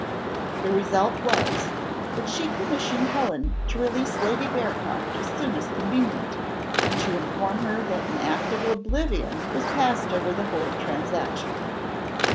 The result was, that she commissioned Helen to release Lady Bearcroft as soon as convenient, and to inform her that an act of oblivion was passed over the whole transaction.